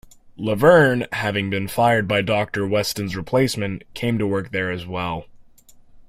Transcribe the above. Laverne, having been fired by Doctor Weston's replacement, came to work there as well.